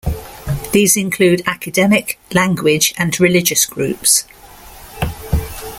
These include academic, language, and religious groups.